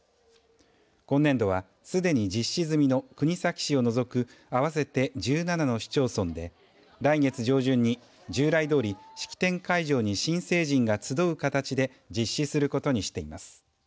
今年度は、すでに実施済みの国東市を除く合わせて１７の市町村で来月上旬に従来通り式典会場に新成人が集う形で実施することにしています。